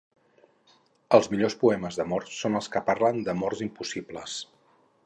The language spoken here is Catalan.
Els millors poemes d'amor són els que parlen d'amors impossibles.